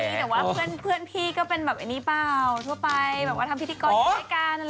มีแต่ว่าเพื่อนพี่ก็เป็นแบบอันนี้เปล่าทั่วไปแบบว่าทำพิธีกรอยู่ด้วยกัน